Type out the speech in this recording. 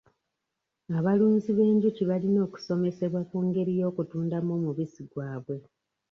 Abalunzi b'enjuki balina okusomesebwa ku ngeri y'okutundamu omubisi gwabwe.